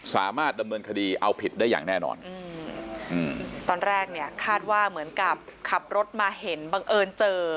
สามารถดำเนินคดีเอาผิดได้อย่างแน่นอนอืมตอนแรกเนี่ยคาดว่าเหมือนกับขับรถมาเห็นบังเอิญเจอ